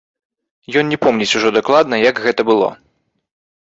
Ён не помніць ужо дакладна, як гэта было.